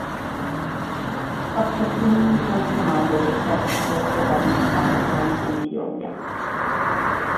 Passò quindi al comando del terzo Corpo d'Armata operante in Etiopia.